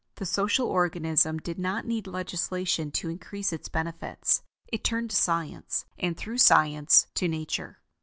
The social organism did not need legislation to increase its benefits; it turned to Science, and, through Science, to Nature.